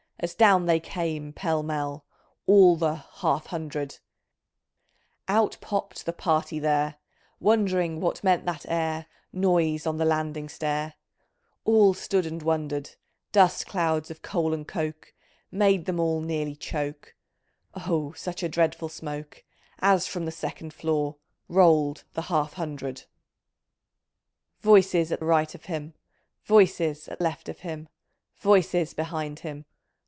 As down they came pell mell, All the "Half hundred Out popt the " party '' there ! Wondering what meant that ere Noise on the landing stair ! All stood and wonder'd I Dust clouds of coal and coke ! Made them all nearly choke I Oh ! such a dreadful smoke ! As from the second floor Rolled the " Half hundred I " 38 Voices at right of him ! Voices at left of him ! Voices behind him